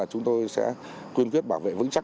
chúng tôi sẽ quyên quyết bảo vệ vững chắc